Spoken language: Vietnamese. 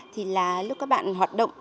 thì là lúc các bạn hoạt động